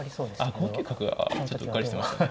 あっ５九角はちょっとうっかりしてましたね。